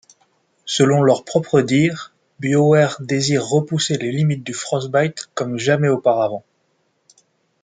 Selon leurs propres dires, Bioware désire repousser les limites du Frostbite comme jamais auparavant.